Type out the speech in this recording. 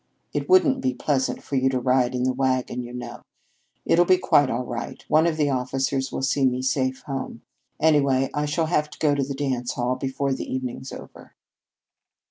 It wouldn't be pleasant for you to ride in the wagon, you know. I'll be quite all right. One of the officers will see me safe home. Anyway, I shall have to go to the dance hall before the evening's over."